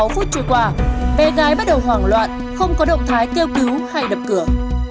sáu phút trôi qua bé gái bắt đầu hoảng loạn không có động thái kêu cứu hay đập cửa